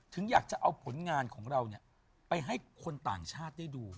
อยากจะเอาผลงานของเราไปให้คนต่างชาติได้ดู